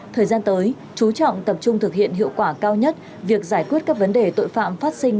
thời gian tới chú trọng tập trung thực hiện hiệu quả cao nhất việc giải quyết các vấn đề tội phạm phát sinh